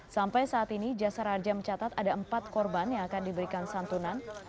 sampai saat ini jasara harja mencatat ada empat korban yang akan diberikan santunan